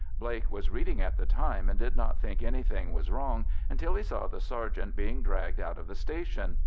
Blake was reading at the time, and did not think anything was wrong until he saw the sergeant being dragged out of the station.